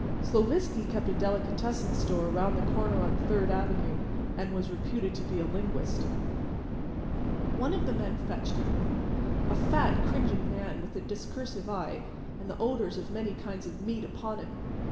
Sloviski kept a delicatessen store around the corner on Third avenue, and was reputed to be a linguist. One of the men fetched him—a fat, cringing man, with a discursive eye and the odors of many kinds of meats upon him.